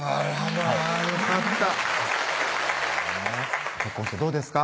あらまぁよかった結婚してどうですか？